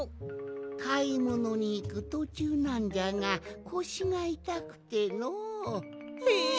かいものにいくとちゅうなんじゃがこしがいたくての。え？